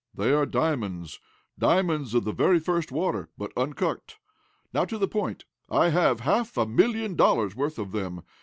They are diamonds! Diamonds of the very first water, but uncut. Now to the point. I have half a million dollars worth of them.